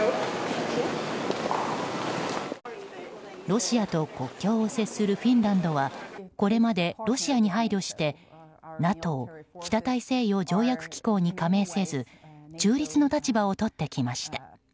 ロシアと国境を接するフィンランドはこれまで、ロシアに配慮してＮＡＴＯ・北大西洋条約機構に加盟せず中立の立場をとってきました。